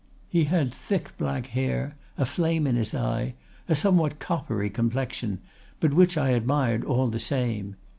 He had thick, black hair, a flame in his eye, a somewhat coppery complexion, but which I admired all the same.